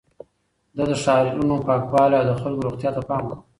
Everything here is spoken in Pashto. ده د ښارونو پاکوالي او د خلکو روغتيا ته پام کاوه.